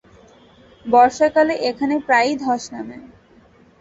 বর্ষাকালে এখানে প্রায়ই ধস নামে।